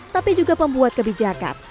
tapi juga pembuat kebijakan